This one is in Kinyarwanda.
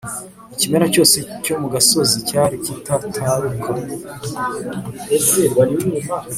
ikimera cyose cyo mu gasozi cyari kitataruka